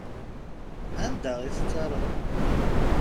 Anda i tettaruḍ?